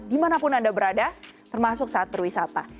dimanapun anda berada termasuk saat berwisata